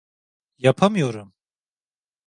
Yapamıyorum!